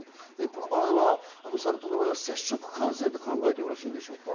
この場合はサル痘の場合は接触感染と考えてよろしいですか？